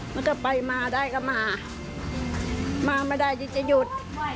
มันก็ไปมาได้ก็มามาไม่ได้ที่จะหยุด